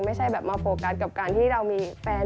ไม่ใช่แบบมาโฟกัสกับการที่เรามีแฟน